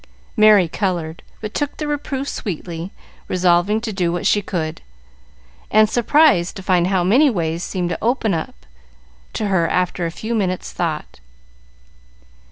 Merry colored, but took the reproof sweetly, resolving to do what she could, and surprised to find how many ways seemed open to her after a few minutes' thought.